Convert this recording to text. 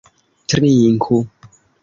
Trinku!